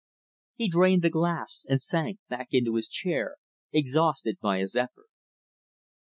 He drained the glass, and sank back into his chair, exhausted by his effort.